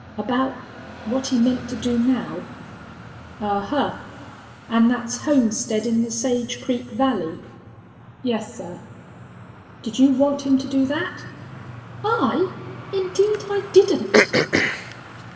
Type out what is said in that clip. "About what he meant to do now." "Ahuh! An' thet's homesteadin' the Sage Creek Valley?" "Yes, sir." "Did you want him to do thet?" "I! Indeed I didn't."